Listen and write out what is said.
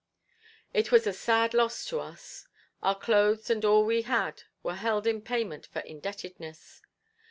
It was a sad loss to us. Our clothes and all we had were held in payment for indebtedness.